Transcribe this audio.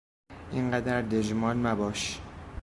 اینقدر دژمان مباش!